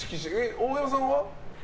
大山さんは？